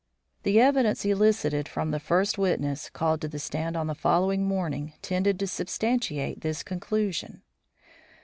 The evidence elicited from the first witness called to the stand on the following morning tended to substantiate this conclusion.